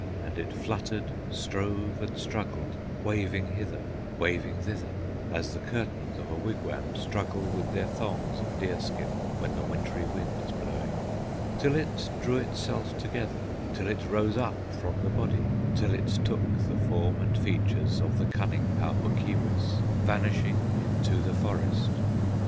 And it fluttered, strove, and struggled, Waving hither, waving thither, As the curtains of a wigwam Struggle with their thongs of deer skin, When the wintry wind is blowing; Till it drew itself together, Till it rose up from the body, Till it took the form and features Of the cunning Pau Puk Keewis Vanishing into the forest.